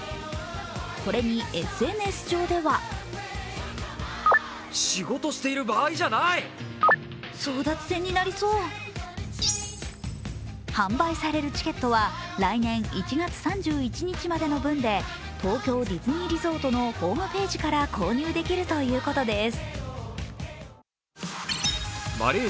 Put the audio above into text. これにＳＮＳ上では販売されるチケットは来年１月３１日までの分で東京ディズニーリゾートのホームページから購入できるということです。